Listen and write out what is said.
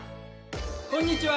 こんにちは。